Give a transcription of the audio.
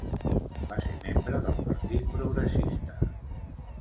Va ser membre del Partit Progressista.